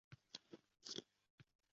Lekin yaxshi inson boʻlib qolish kerak